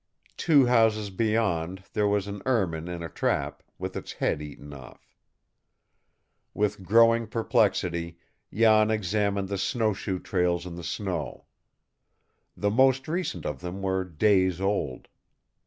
Two houses beyond there was an ermine in a trap, with its head eaten off. With growing perplexity, Jan examined the snow shoe trails in the snow. The most recent of them were days old.